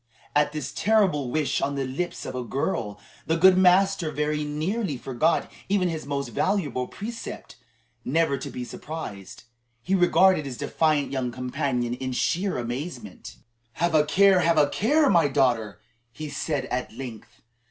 At this terrible wish on the lips of a girl, the good master very nearly forgot even his most valuable precept never to be surprised. He regarded his defiant young companion in sheer amazement. "Have a care, have a care, my daughter!" he said at length.